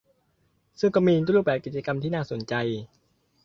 ซึ่งก็มีรูปแบบกิจกรรมที่น่าสนใจ